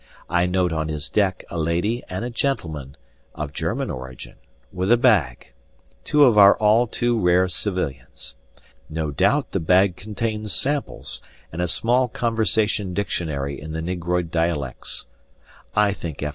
I note on his deck a lady and a gentleman (of German origin) with a bag, two of our all too rare civilians. No doubt the bag contains samples and a small conversation dictionary in the negroid dialects. (I think F.